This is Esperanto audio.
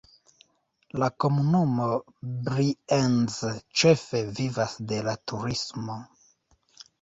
La komunumo Brienz ĉefe vivas de la turismo.